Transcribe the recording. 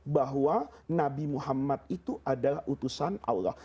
bahwa nabi muhammad itu adalah utusan allah